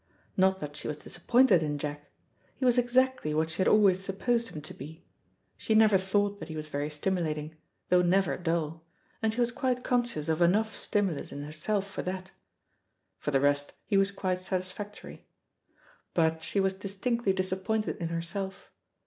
Not that she was disappointed in Jack. He was exactly what she had always supposed him to be. She never thought that he was very stimulating, though never dull, and she was quite conscious of enough stimulus in herself for that. For the rest he was quite satisfactory. But she was distinctly disappointed in herself.